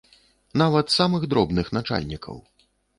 Нават самых дробных начальнікаў!